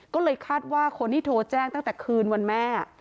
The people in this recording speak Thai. ก็เลยคาดว่าคนที่โทรแจ้งตั้งแต่คืนวันแม่